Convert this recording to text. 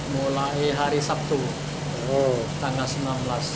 mulai hari sabtu tanggal sembilan belas